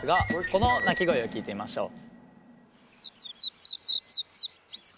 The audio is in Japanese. この鳴き声を聞いてみましょう。